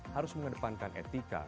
harus mengedepankan etika